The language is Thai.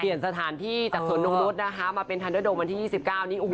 เปลี่ยนสถานที่จากสนตรงรุ่นนะคะมาเป็นฮันเดอร์โดมันที่๒๙นี้